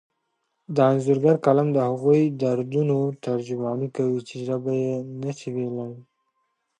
د انځورګر قلم د هغو دردونو ترجماني کوي چې ژبه یې نشي ویلی.